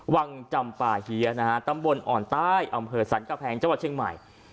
วังจำป่าเฮียนะฮะตำบลอ่อนใต้อำเภอสรรกะแพงจังหวัดเชียงใหม่